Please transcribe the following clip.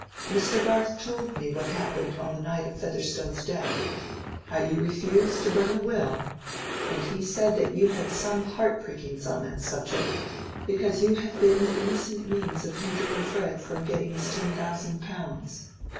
Mr. Garth told me what happened on the night of Featherstone's death—how you refused to burn the will; and he said that you had some heart prickings on that subject, because you had been the innocent means of hindering Fred from getting his ten thousand pounds.